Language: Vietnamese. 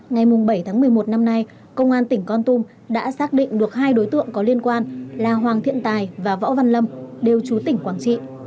ngày bảy tháng một mươi một năm nay công an tỉnh con tum đã xác định được hai đối tượng có liên quan là hoàng thiện tài và võ văn lâm đều chú tỉnh quảng trị